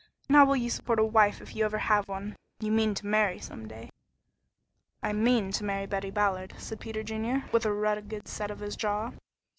And how will you support a wife if you ever have one? You mean to marry some day?" "I mean to marry Betty Ballard," said Peter Junior, with a rugged set of his jaw.